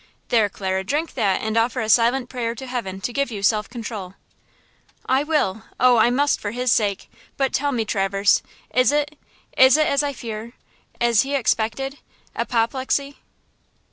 "There, Clara, drink that and offer a silent prayer to heaven to give you self control." "I will–oh, I must for his sake! But tell me, Traverse, is it–is it as I fear–as he expected–apoplexy?"